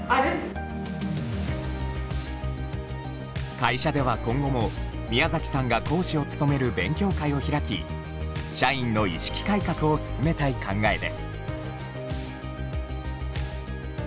会社では今後も宮さんが講師を務める勉強会を開き社員の意識改革を進めたい考えです。